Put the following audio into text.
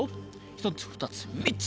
１つ２つ３つ！